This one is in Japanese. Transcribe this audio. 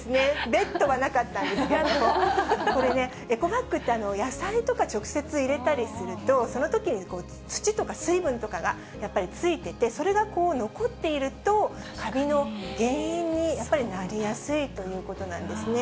ベッドはなかったんですけど、これね、エコバッグって、野菜とか、直接入れたりすると、そのときに土とか水分とかが、やっぱりついてて、それが残っていると、カビの原因にやっぱりなりやすいということなんですね。